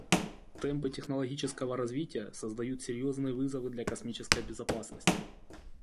Темпы технологического развития создают серьезные вызовы для космической безопасности.